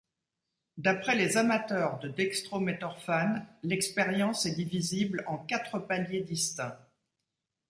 D'après les amateurs de dextrométhorphane, l'expérience est divisible en quatre paliers distincts.